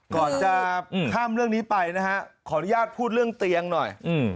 ก่อนจะข้ามเรื่องนี้ไปนะฮะขออนุญาตพูดเรื่องเตียงหน่อย